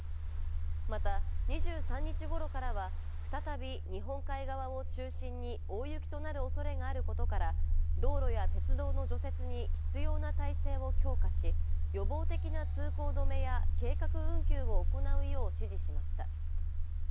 また２３日頃からは再び日本海側を中心に大雪となる恐れがあることから、道路や鉄道の除雪に必要な体制を強化し、予防的な通行止めや計画運休を行うよう指示しました。